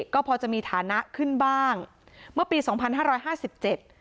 ก็พอจะมีฐานะขึ้นบ้างเมื่อปีสองพันห้าร้อยห้าสิบเจ็ด